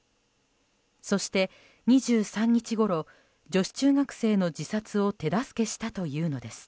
そして、２３日ごろ女子中学生の自殺を手助けしたというのです。